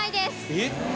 えっ！